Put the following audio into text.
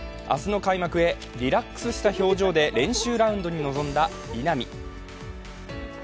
明日の開幕へリラックスした表情で練習ラウンドに臨んだ稲見。